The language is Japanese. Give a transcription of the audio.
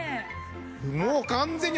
もう完全にほら。